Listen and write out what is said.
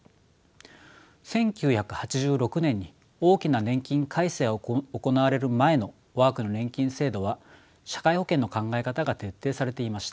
１９８６年に大きな年金改正が行われる前の我が国の年金制度は社会保険の考え方が徹底されていました。